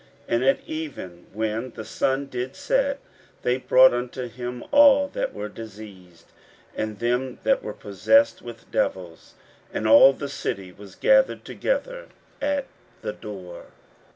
41:001:032 And at even, when the sun did set, they brought unto him all that were diseased, and them that were possessed with devils. 41:001:033 And all the city was gathered together at the door.